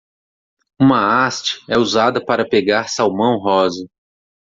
Uma haste é usada para pegar salmão rosa.